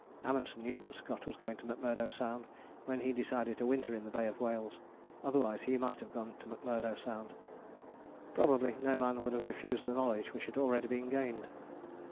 Amundsen knew that Scott was going to McMurdo Sound when he decided to winter in the Bay of Whales: otherwise he might have gone to McMurdo Sound. Probably no man would have refused the knowledge which had already been gained.